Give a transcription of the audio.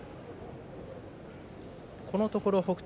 このところ北勝